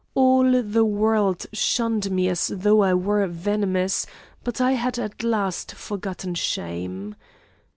All the world shunned me as though I were venomous, but I had at last forgotten shame.